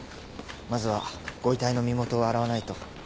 まずはご遺体の身元を洗わないと。